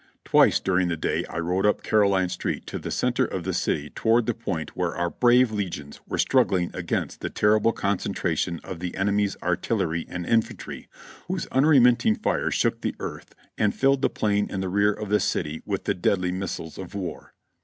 Twice during" the day I rode up Caroline Street to the center of the city toward the point where our brave legions were struggling against the terrible concen tration of the enemy's artillery and infantry, whose unremitting fire shook the earth and filled the plain in the rear of the city with the deadly missiles of war.